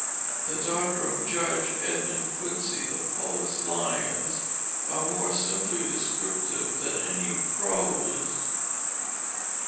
the daughter of Judge Edmund Quincy. The poet's lines are more simply descriptive than any prose.